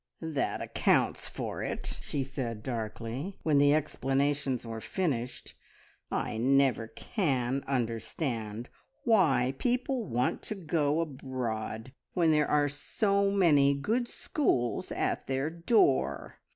"That accounts for it!" she said darkly, when the explanations were finished. "I never can understand why people want to go abroad when there are so many good schools at their door.